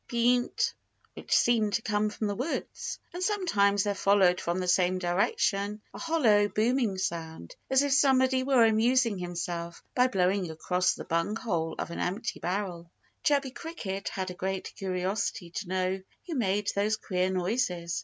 Peent!_ which seemed to come from the woods. And sometimes there followed from the same direction a hollow, booming sound, as if somebody were amusing himself by blowing across the bung hole of an empty barrel. Chirpy Cricket had a great curiosity to know who made those queer noises.